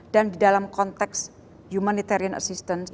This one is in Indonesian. dan di dalam konteks humanitarian assistance